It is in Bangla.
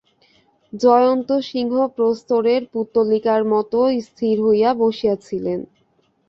জয়সিংহ প্রস্তরের পুত্তলিকার মতো স্থির হইয়া বসিয়াছিলেন।